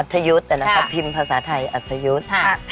อัธยุทธ์นั่นแหละค่ะพิมพ์ภาษาไทยอัธยุทธ์